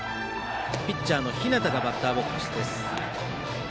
ピッチャーの日當がバッターボックスです。